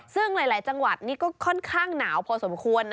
ซึ่งหลายจังหวัดนี่ก็ค่อนข้างหนาวพอสมควรนะ